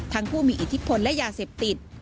ผู้มีอิทธิพลและยาเสพติด